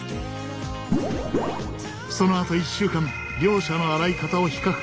そのあと１週間両者の洗い方を比較。